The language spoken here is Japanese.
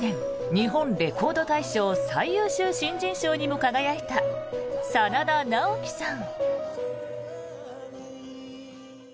日本レコード大賞最優秀新人賞にも輝いた真田ナオキさん。